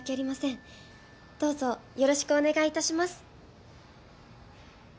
どうぞよろしくお願い致します